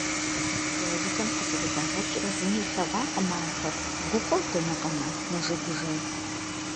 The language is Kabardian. Я жылэм къызэрыдагъэкӀрэ зыми илъэгъуакъым ахэр, гуфӀэу дэнэ къэна, нэжэгужэу.